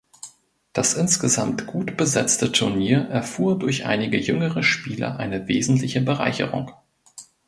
Das insgesamt gut besetzte Turnier erfuhr durch einige jüngere Spieler eine wesentliche Bereicherung.